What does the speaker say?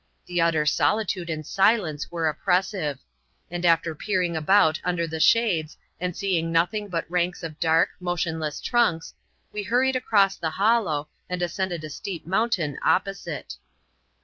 The utter solitude and silence were oppressive ; and after peering about under the shades, and seeing nothing but ranks of dark, motionless trunks, we hurried across the hollow, and ascended a steep mountain opposite.